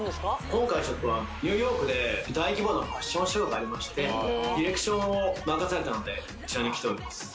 今回ニューヨークで大規模なファッションショーがありましてディレクションを任されたのでこちらに来ております